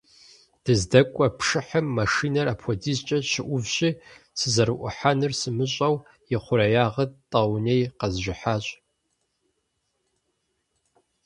Дыздэкӏуэ пшыхьым машинэр апхуэдизкӏэ щыӏувщи, сызэрыӏухьэнур сымыщӏэу, и хъуреягъыр тӏэуней къэзжыхьащ.